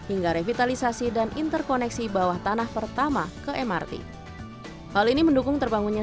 hingga revitalisasi dan interkoneksi bawah tanah pertama ke mrt hal ini mendukung terbangunnya